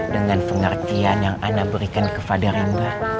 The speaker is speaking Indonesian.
dengan pengertian yang ana berikan kepada rimba